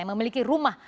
yang memiliki rumah